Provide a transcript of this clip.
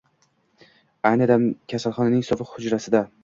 Ayni dam kasalxonaning sovuq hujrasida